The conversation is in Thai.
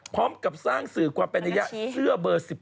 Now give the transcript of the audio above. พร้อมกับสร้างสื่อความเป็นนัยยะเสื้อเบอร์๑๘